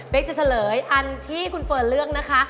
เป็นจะเฉลยอันที่คุณเฟิร์นเลือกนะคะ